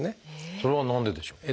それは何ででしょう？